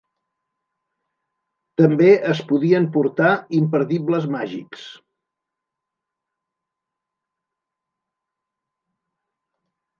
També es podien portar imperdibles "màgics".